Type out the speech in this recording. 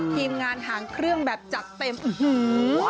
ทีมงานหางเครื่องแบบจัดเต็มอื้อหือ